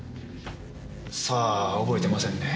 さあ覚えてませんね。